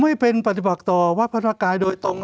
ผมไม่เป็นปฏิปักต่อวัฒนธรรมกายโดยตรง